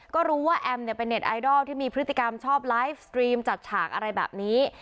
ก็รู้ว่าแอมเนี่ยเป็นเน็ตไอดอลที่มีพฤติกรรมชอบไลฟ์สตรีมจัดฉากอะไรแบบนี้